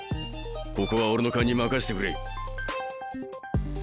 ここは俺の勘に任してくれ。